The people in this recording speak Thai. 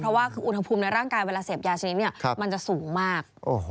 เพราะว่าคืออุณหภูมิในร่างกายเวลาเสพยาชนิดเนี่ยมันจะสูงมาก